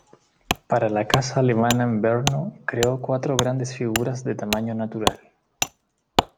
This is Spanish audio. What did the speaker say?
Para la Casa Alemana en Brno, creó cuatro grandes figuras de tamaño natural.